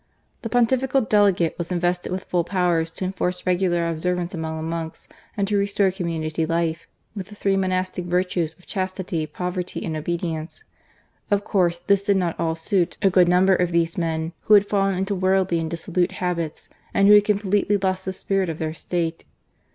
The Pontifical Delegate was invested with full powers to enforce regular observance among the monks and to restore community life, with the three monastic virtues of chastity, poverty, and obedience. Of course, this did not at all suit a good THE REGENERATION OF THE CLERGY. 125 number of these men who had fallen into worldly and dissolute habits, and who had completely lost the spirit of their state.